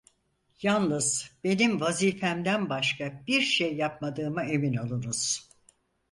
Yalnız benim vazifemden başka bir şey yapmadığıma emin olunuz.